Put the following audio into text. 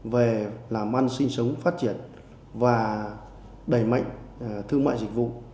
về làm ăn sinh sống phát triển và đẩy mạnh thương mại dịch vụ